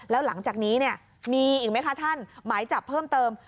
แล้วหลังจากนี้เนี่ยมีอีกไหมคะท่านหมายจับเพิ่มเติม